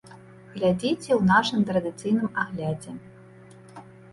Глядзіце ў нашым традыцыйным аглядзе.